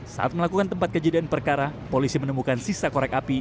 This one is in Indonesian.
saat melakukan tempat kejadian perkara polisi menemukan sisa korek api